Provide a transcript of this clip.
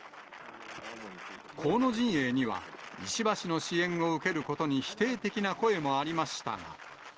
河野陣営には、石破氏の支援を受けることに否定的な声もありましたが。